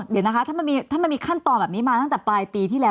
เดี๋ยวนะคะถ้ามันมีขั้นตอนแบบนี้มาตั้งแต่ปลายปีที่แล้ว